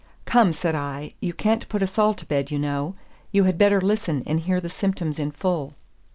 "Come," said I, "you can't put us all to bed, you know. You had better listen and hear the symptoms in full."